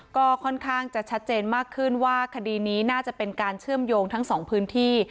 ก็ค่อนข้างจะชัดเจนมากขึ้นว่าคดีนี้น่าจะเป็นการเชื่อมโยงทั้งสองพื้นที่